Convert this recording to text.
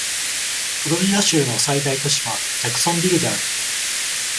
フロリダ州の最大都市はジャクソンビルである